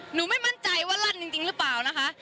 หนูไม่มั่นใจว่าลั่นจริงจริงรึเปล่านะคะ